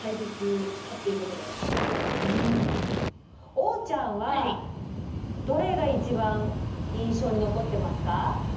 おーちゃんはどれが一番印象に残ってますか？